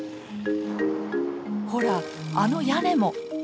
ほらあの屋根も。